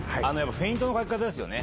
フェイントのかけ方ですよね。